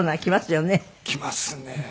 きますね。